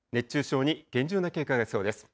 熱中症に厳重な警戒が必要です。